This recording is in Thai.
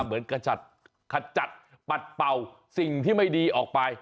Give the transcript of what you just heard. เหมือนขจัดขจัดปัดเป่าสิ่งที่ไม่ดีออกไป